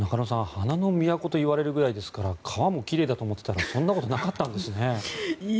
花の都といわれるぐらいですから川も奇麗だと思っていたらそんなことなかったんですね。